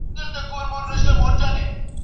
پېري ته غزنى څه شي دئ.